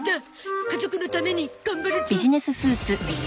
家族のために頑張るゾ。